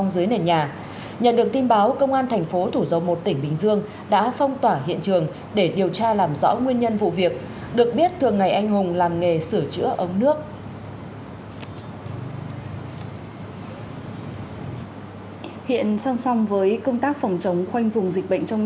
xin chào và hẹn gặp lại